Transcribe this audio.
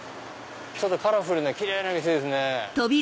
カラフルなキレイな店ですね。